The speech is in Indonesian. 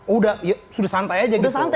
udah sudah santai aja gitu